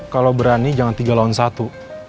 kalau berani jangan tiga lawan satu